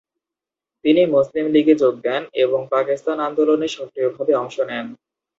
তিনি মুসলিম লীগে যোগ দেন এবং পাকিস্তান আন্দোলনে সক্রিয়ভাবে অংশ নেন।